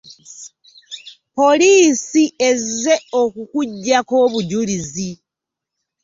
Poliisi ezze okukuggyako obujulizi.